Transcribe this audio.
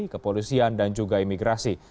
kepolisian dan juga imigrasi